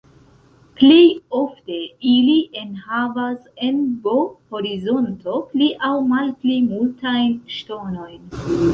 Plej ofte ili enhavas en B-horizonto pli aŭ malpli multajn ŝtonojn.